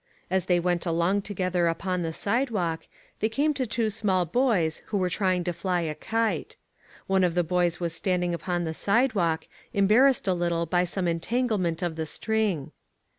As they went along together upon the sidewalk, they came to two small boys who were trying to fly a kite. One of the boys was standing upon the sidewalk, embarrassed a little by some entanglement of the string.